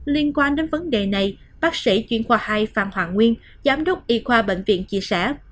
liên quan đến vấn đề này bác sĩ chuyên khoa hai phạm hoàng nguyên giám đốc y khoa bệnh viện chia sẻ